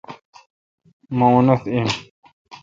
مہ اونتھ این۔